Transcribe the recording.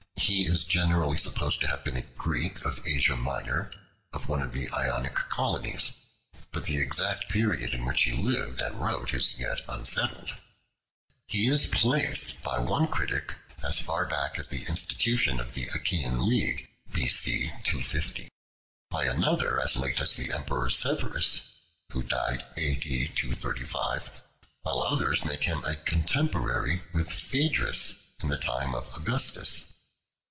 He is generally supposed to have been a Greek of Asia Minor, of one of the Ionic Colonies, but the exact period in which he lived and wrote is yet unsettled. He is placed, by one critic, as far back as the institution of the Achaian League, B.C. 250; by another as late as the Emperor Severus, who died A.D. 235; while others make him a contemporary with Phaedrus in the time of Augustus.